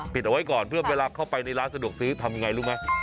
เอาไว้ก่อนเพื่อเวลาเข้าไปในร้านสะดวกซื้อทำอย่างไรรู้ไหม